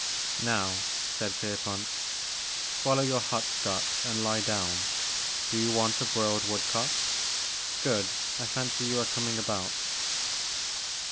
Now," said Pierpont, '* swallow your hot Scotch and lie down. Do you want a broiled woodcock? Good, I fancy you are coming about."